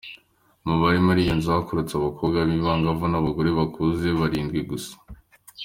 Mu bari muri iyo nzu, harokotse abakobwa b’abangavu n’abagore bakuze barindwi gusa.